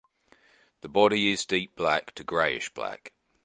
The body is deep black to greyish black.